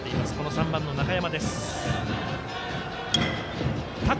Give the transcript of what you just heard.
３番の中山。